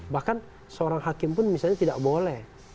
bahkan seorang hakim pun misalnya tidak boleh